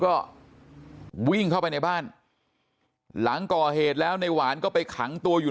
ก็วิ่งเข้าไปในบ้านหลังก่อเหตุแล้วในหวานก็ไปขังตัวอยู่